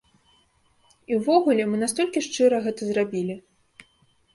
І ўвогуле, мы настолькі шчыра гэта зрабілі.